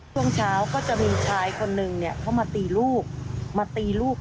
ช่วงเช้าก็จะมีชายคนหนึ่งเขามาตีลูก